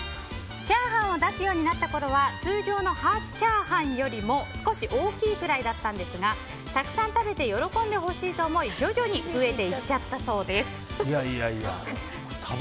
チャーハンを出すようになったころは通常より大きいくらいだったんですがたくさん食べて喜んでほしいと思い徐々に増えていっちゃったそうです。